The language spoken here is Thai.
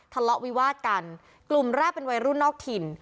ทะเลาะวิวาดกันกลุ่มแรกเป็นวัยรุ่นนอกถิ่น